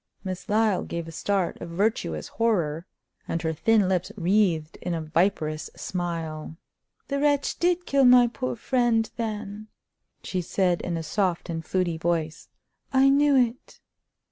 Miss Lyle gave a start of virtuous horror, and her thin lips wreathed in a viperous smile. "The wretch did kill my poor friend, then," she said in a soft and fluty voice. "I knew it!"